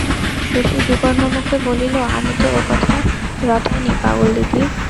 শশী বিবর্ণমুখে বলিল, আমি তো ওকথা রটাইনি পাগলদিদি।